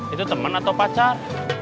itu teman atau pacar